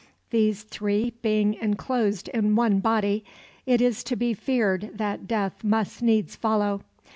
These three being enclosed in one body, it is to be feared that death must needs follow.